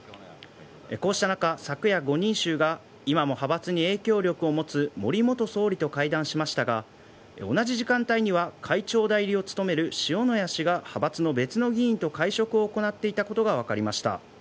こうした中、昨夜５人衆が今も派閥に影響力を持つ森元総理と会談しましたが同じ時間帯には会長代理を務める塩谷氏が派閥の別の議員と会食を行っていたことが分かりました。